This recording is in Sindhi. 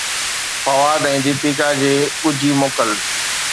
فواد ۽ ديپيڪا جي ڳجهي موڪل